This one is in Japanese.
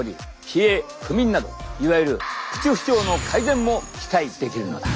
冷え不眠などいわゆるプチ不調の改善も期待できるのだ。